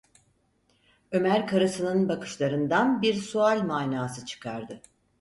Ömer karısının bakışlarından bir sual manası çıkardı.